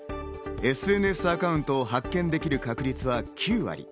ＳＮＳアカウントを発見できる確率は９割。